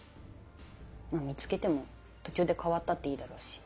見つけても途中で変わったっていいだろうし。